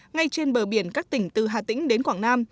ngay trên bờ biển các tỉnh từ hà tĩnh đến quảng nam